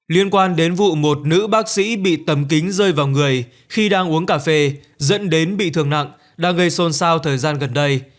liên quan đến vụ một nữ bác sĩ bị tầm kính rơi vào người khi đang uống cà phê dẫn đến bị thương nặng đang gây xôn xao thời gian gần đây